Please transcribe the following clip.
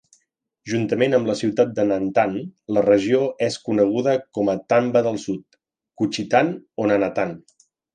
Juntament amb la ciutat de Nantan, la regió és coneguda com a Tanba del Sud, Kuchitan o Nanatan.